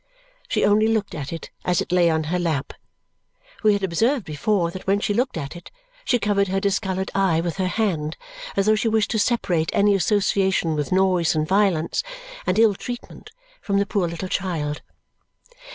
She only looked at it as it lay on her lap. We had observed before that when she looked at it she covered her discoloured eye with her hand, as though she wished to separate any association with noise and violence and ill treatment from the poor little child.